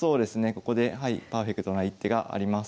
ここではいパーフェクトな一手があります。